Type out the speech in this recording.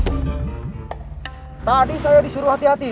saya sudah mengajak kamu untuk berhati hati